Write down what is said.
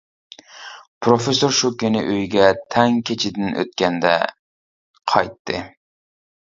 پىروفېسسور شۇ كۈنى ئۆيىگە تەڭ كېچىدىن ئۆتكەندە قايتتى.